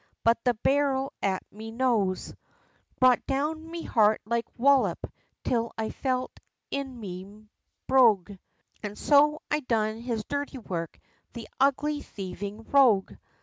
but the barrel at me nose, Brought down me heart like wallop, till I felt it, in me brogue, An' so I done his dirty work, the ugly thievin' rogue!